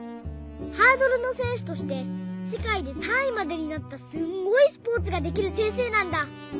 ハードルのせんしゅとしてせかいで３いまでになったすんごいスポーツができるせんせいなんだ。